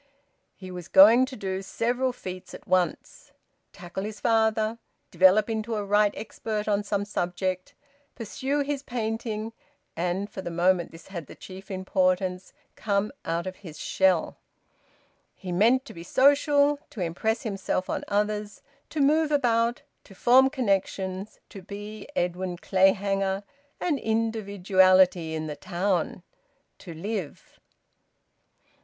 He was going to do several feats at once: tackle his father, develop into a right expert on some subject, pursue his painting, and for the moment this had the chief importance `come out of his shell.' He meant to be social, to impress himself on others, to move about, to form connections, to be Edwin Clayhanger, an individuality in the town, to live.